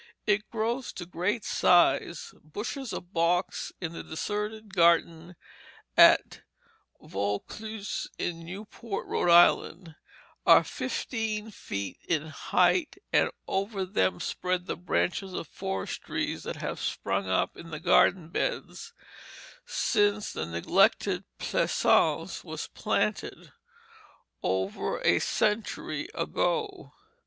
It grows to great size. Bushes of box in the deserted garden at Vaucluse in Newport, Rhode Island, are fifteen feet in height, and over them spread the branches of forest trees that have sprung up in the garden beds since that neglected pleasaunce was planted, over a century ago.